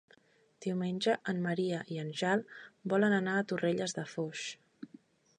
Diumenge en Maria i en Jan volen anar a Torrelles de Foix.